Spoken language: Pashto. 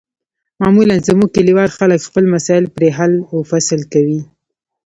معمولا زموږ کلیوال خلک خپل مسایل پرې حل و فصل کوي.